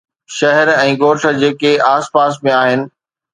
شهر ۽ ڳوٺ جيڪي آس پاس ۾ آهن